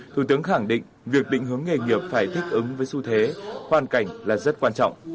thủ tướng khẳng định việc định hướng nghề nghiệp phải thích ứng với xu thế hoàn cảnh là rất quan trọng